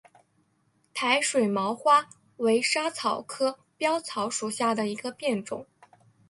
台水毛花为莎草科藨草属下的一个变种。